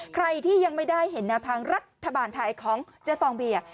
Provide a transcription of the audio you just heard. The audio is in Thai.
ใครที่ยังไม่ได้เห็นแนวทางรัฐบาลไทยของเจ๊ฟองเบียร์